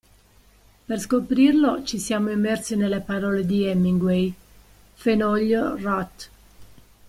Per scoprirlo, ci siamo immersi nelle parole di Hemingway, Fenoglio, Roth.